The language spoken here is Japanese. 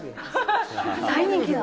大人気な。